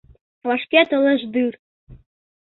Вашке толеш дыр.